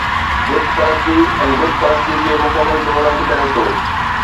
بت پرستي ۽ بت پرستي کي مڪمل طور رد ڪري ٿو